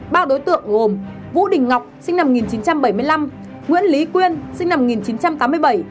ba đối tượng gồm vũ đình ngọc sinh năm một nghìn chín trăm bảy mươi năm nguyễn lý quyên sinh năm một nghìn chín trăm tám mươi bảy